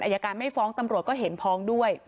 อายการไม่ฟ้องตำรวจก็เห็นฟ้องด้วย